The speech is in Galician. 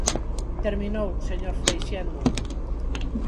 Terminou, señor Freixendo.